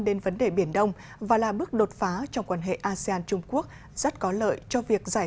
đến vấn đề biển đông và là bước đột phá trong quan hệ asean trung quốc rất có lợi cho việc giải